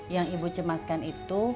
yang ibu cemaskan itu